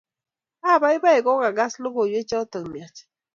apaipai kokakas logoywecho miach